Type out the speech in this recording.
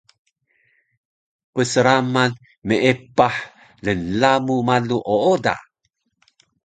psramal meepah lnlamu malu ooda